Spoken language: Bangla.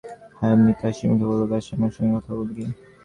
অমিতা হাসিমুখে বলল, গাছ আমার সঙ্গে কথা বলবে কি?